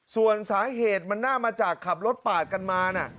ส่วนสาเหตุมันน่ามาจากขับรถปาดกันมานะ